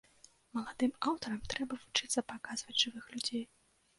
Маладым аўтарам трэба вучыцца паказваць жывых людзей.